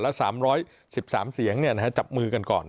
และ๓๑๓เสียงเนี่ยจับมือกันก่อน